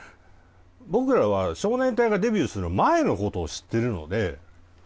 僕らは少年隊がデビューする前のことを知っているので。